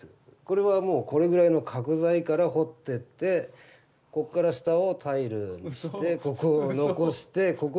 これはもうこれぐらいの角材から彫ってってここから下をタイルにしてここを残してここリンゴにしてある。